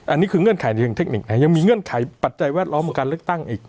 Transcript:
อันนี้คือเงื่อนไขในเชิงเทคนิคยังมีเงื่อนไขปัจจัยแวดล้อมกับการเลือกตั้งอีก